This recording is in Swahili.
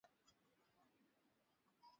Mpenzi wa Aisha amemwacha.